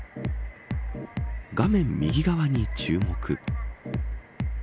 画面右側に注目。